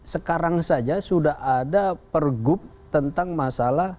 sekarang saja sudah ada pergub tentang masalah